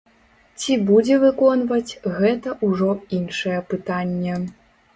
Ці будзе выконваць, гэта ўжо іншае пытанне.